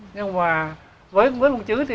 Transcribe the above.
nhưng mà với ông chứ